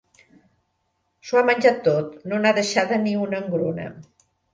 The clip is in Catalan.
S'ho ha menjat tot, no n'ha deixada ni una engruna.